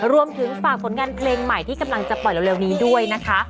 รวมถึงฝากผลงานเพลงใหม่ที่กำลังจะปล่อยเร็วนี้ด้วยนะคะ